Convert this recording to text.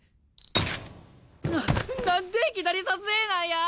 な何でいきなり撮影なんや！？